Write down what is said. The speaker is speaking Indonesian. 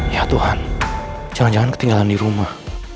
ya tuhan jangan jangan ketinggalan di rumah